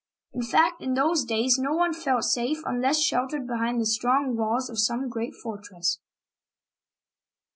In fact, in those days, no one felt safe unless sheltered behind the strong walls of some great fortress.